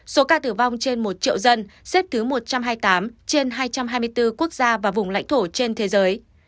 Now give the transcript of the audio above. số ca tử vong trên một triệu dân xếp thứ một trăm hai mươi tám trên hai trăm hai mươi bốn quốc gia và vùng lãnh thổ trên thế giới